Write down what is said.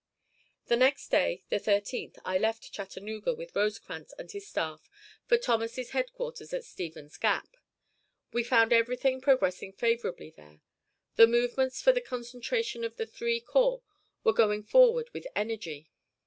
The next day (the 13th) I left Chattanooga with Rosecrans and his staff for Thomas's headquarters at Stevens's Gap. We found everything progressing favorably there. The movements for the concentration of the three corps were going forward with energy.